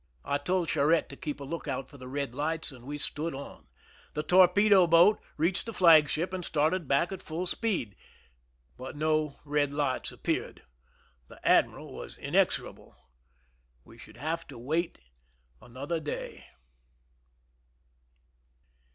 I told Charette to keep a lookout for the red lights, and we stood on. The torpedo boat reached the flagship and started back at full speed. But no red lights appeared. The admiral was inexorable. We should have to wait another day.